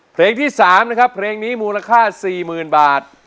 เพลงที่๓นะครับเพลงนี้มูลค่า๔๐๐๐บาท